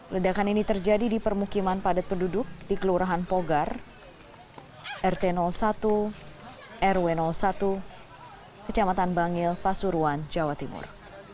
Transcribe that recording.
ledakan ini terjadi di permukiman padat penduduk di kelurahan pogar rt satu rw satu kecamatan bangil pasuruan jawa timur